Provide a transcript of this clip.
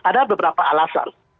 ada beberapa alasan